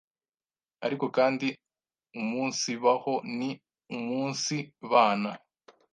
Ariko kandi uumunsibaho ni uumunsibana;